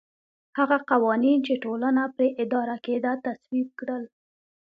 هغه قوانین چې ټولنه پرې اداره کېده تصویب کړل